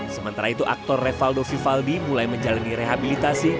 sementara itu aktor revaldo vivaldi mulai menjalani rehabilitasi